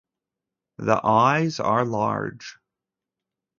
The eyes are large.